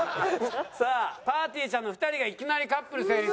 さあぱーてぃーちゃんの２人がいきなりカップル成立。